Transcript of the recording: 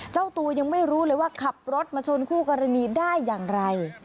เจ้าตัวยังไม่รู้เลยว่าขับรถมาชนคู่กรณีได้อย่างไร